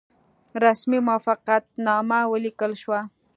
رسمي موافقتنامه ولیکل شوه.